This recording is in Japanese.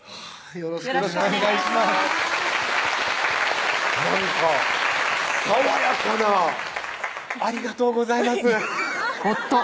よろしくお願いしますなんか爽やかなありがとうございます